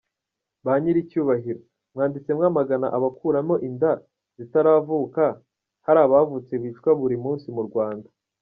Ba Nyiricyubahiro, mwanditse mwamagana abakuramo inda zitaravuka, hari abavutse bicwa buri munsi mu Rwanda.